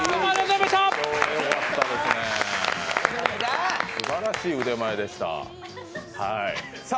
すばらしい腕前でした。